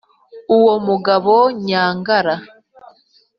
uwo mugabo nyangara,